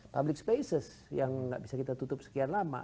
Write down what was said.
public spaces yang nggak bisa kita tutup sekian lama